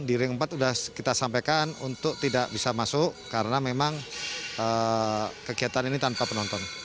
di ring empat sudah kita sampaikan untuk tidak bisa masuk karena memang kegiatan ini tanpa penonton